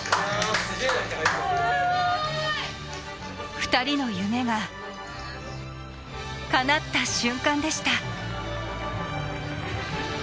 ２人の夢がかなった瞬間でした。